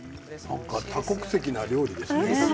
多国籍な料理ですね。